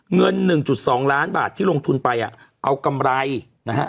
เงิน๑๒ล้านบาทที่ลงทุนไปอ่ะเอากำไรนะฮะ